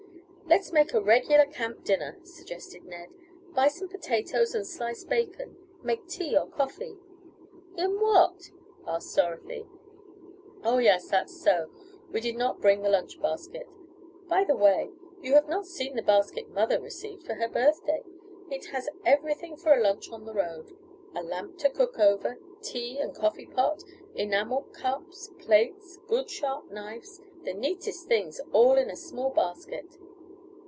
"Let's make a regular camp dinner," suggested Ned. "Buy some potatoes and sliced bacon, make tea or coffee " "In what?" asked Dorothy. "Oh, yes, that's so. We did not bring the lunch basket. By the way, you have not seen the basket mother received for her birthday. It has everything for a lunch on the road; a lamp to cook over, tea and coffee pot, enameled cups, plates, good sharp knives the neatest things, all in a small basket.